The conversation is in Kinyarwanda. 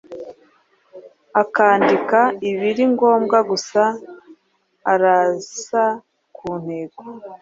akandika ibiri ngombwa gusa, arasa ku ntego.